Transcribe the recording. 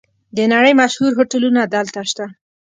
د نړۍ مشهور هوټلونه دلته شته.